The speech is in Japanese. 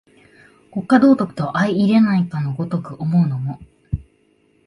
国家道徳と相容れないかの如く思うのも、